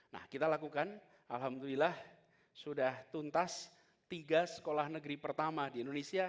nah kita lakukan alhamdulillah sudah tuntas tiga sekolah negeri pertama di indonesia